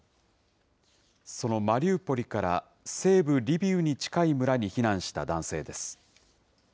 そのマリウポリから西部リビウに近い村に避難した男性です。